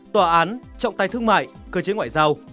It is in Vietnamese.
tòa án trọng tay thương mại cơ chế ngoại giao